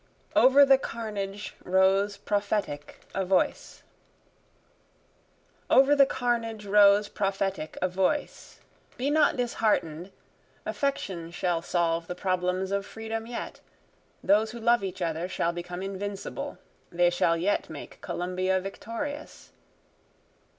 Over the Carnage Rose Prophetic a Voice Over the carnage rose prophetic a voice, Be not dishearten'd, affection shall solve the problems of freedom yet, Those who love each other shall become invincible, They shall yet make Columbia victorious.